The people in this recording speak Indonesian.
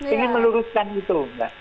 ingin meluruskan itu